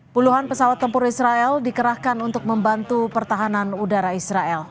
puluhan pesawat tempur israel dikerahkan untuk membantu pertahanan udara israel